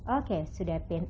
oke sudah pin